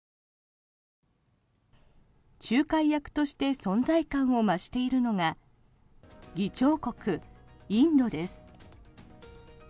仲介役として存在感を増しているのが議長国インドです。